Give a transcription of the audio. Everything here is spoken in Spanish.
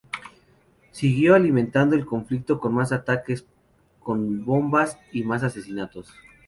Siguió alimentando el conflicto con más ataques con bombas y más asesinatos.